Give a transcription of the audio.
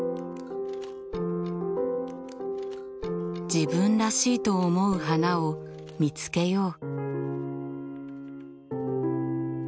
自分らしいと思う花を見つけよう。